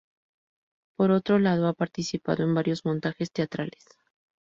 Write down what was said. Por otro lado ha participado en varios montajes teatrales.